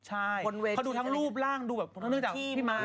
ใช่เขาดูทั้งรูปร่างดูแบบเนื่องจากพี่ม้า